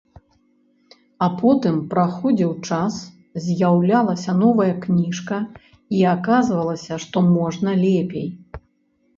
А потым праходзіў час, з'яўлялася новая кніжка, і аказвалася, што можна лепей.